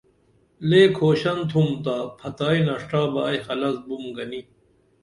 لے کھوشن تُھم تا پھتائی نݜٹا بہ ائی خلس بُم گنی